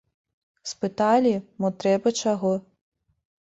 Спыталі, мо трэба чаго?